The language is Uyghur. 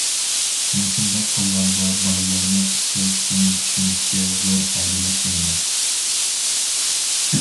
مۇشۇنداق قىلغاندا بالىلارنىڭ پىسخىكىسىنى چۈشىنىشكە زور پايدىلىق دەيمەن.